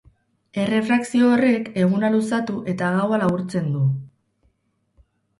Errefrakzio horrek, eguna luzatu eta gaua laburtzen du.